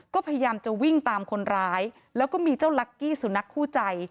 ก็พยายามจะวิ่งตามคนร้ายแล้วก็มีเจ้าลักกี้สุนัขคู่ใจ